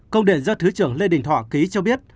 công điện do thứ trưởng lê đình thọ ký cho biết